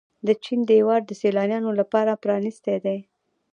د چین دیوار د سیلانیانو لپاره پرانیستی دی.